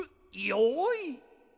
よい。